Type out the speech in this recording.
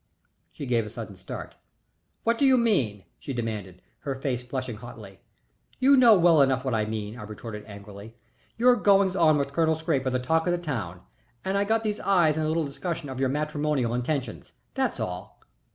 She gave a sudden start. "What do you mean?" she demanded, her face flushing hotly. "You know well enough what I mean," I retorted, angrily. "Your goings on with Colonel Scrappe are the talk of the town, and I got these eyes in a little discussion of your matrimonial intentions. That's all."